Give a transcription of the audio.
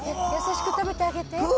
優しく食べてあげて。